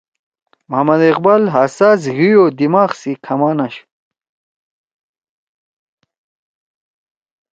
محمد اقبال حساس حی او دماغ سی کھمان آشُو